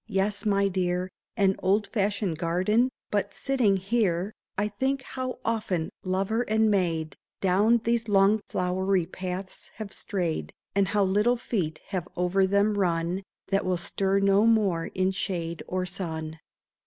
Yes, my dear, An old fashioned garden ! But, sitting here, I think how often lover and maid Down these long flowery paths have strayed, And how little feet have over them run That will stir no more in shade or sun.